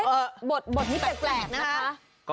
เหรอบทมันแตกนะคะ